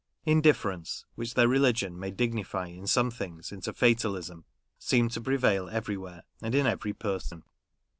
Indifference, which their religion may dignify in some things into fatalism, seemed to prevail everywhere and in every person.